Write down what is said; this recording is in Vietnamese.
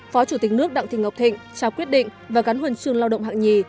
phó chủ tịch nước đặng thị ngọc thịnh trao quyết định và gắn huần trường lao động hạng nhì